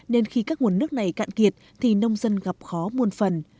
nên khi các nguồn nước này cạn kiệt thì nông dân gặp khó muôn phần